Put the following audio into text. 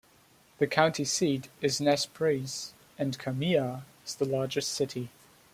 The county seat is Nezperce, and Kamiah is the largest city.